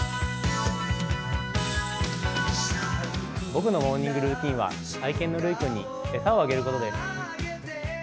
僕のモーニングルーチンは愛犬のルイ君にエサをあげることです。